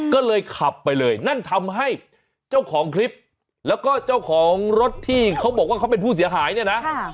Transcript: ก็เลยขับไปเลยนั่นทำให้เจ้าของคลิปแล้วก็เจ้าของรถที่เขาบอกว่าเขาเป็นผู้เสียหายเนี่ยนะ